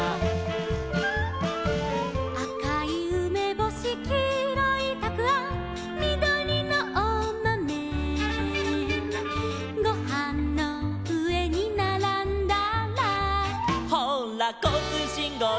「あかいうめぼし」「きいろいたくあん」「みどりのおまめ」「ごはんのうえにならんだら」「ほうらこうつうしんごうだい」